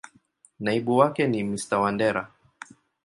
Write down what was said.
Naibu wake ni Mr.Wandera.